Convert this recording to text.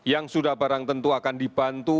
yang sudah barang tentu akan dibantu